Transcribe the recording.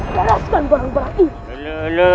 bereskan barang barang ini